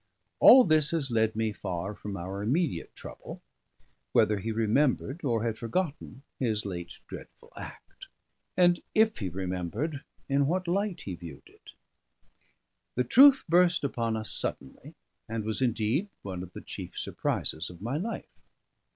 All this has led me far from our immediate trouble: whether he remembered or had forgotten his late dreadful act; and if he remembered, in what light he viewed it. The truth burst upon us suddenly, and was indeed one of the chief surprises of my life.